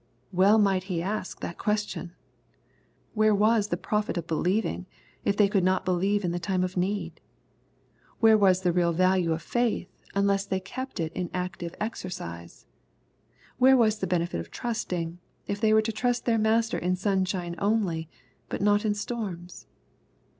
Well might He ask that question ! Where was the pro fit of believing, if they could not believe in the time of need ? Where wa sjhe real value of faith, unless they kept it in active exercise ? Where was the benefit of trus tmg, i f they were to trust their Master in sunshine only, but not in storms